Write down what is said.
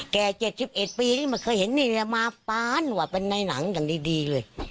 แก่เจ็ดสิบเอ็ดปีนี้ไม่เคยเห็นว่าในหลังจังดีเลย